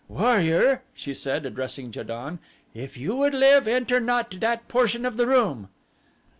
"Warrior," she said, addressing Ja don, "if you would live enter not that portion of the room."